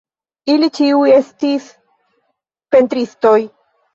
Ili ĉiuj estis pentristoj.